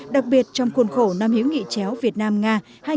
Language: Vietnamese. đặc biệt trong khuôn khổ năm hiếu nghị chéo việt nam nga hai nghìn một mươi chín